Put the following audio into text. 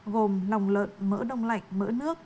gồm lòng lợn mỡ đông lạnh mỡ nước